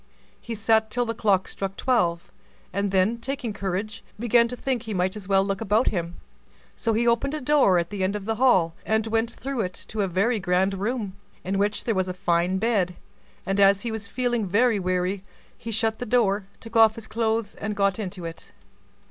He sat till the clock struck twelve, and then, taking courage, began to think he might as well look about him: so he opened a door at the end of the hall, and went through it into a very grand room, in which there was a fine bed; and as he was feeling very weary, he shut the door, took off his clothes, and got into it.